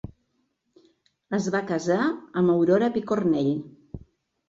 Es va casar amb Aurora Picornell.